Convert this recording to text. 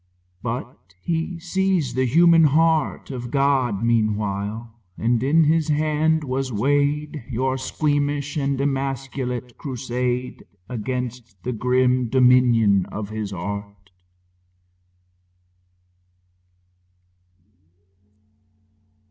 But he sees the human heart Of God meanwhile, and in His hand was weighed Your squeamish and emasculate crusade Against the grim dominion of his art.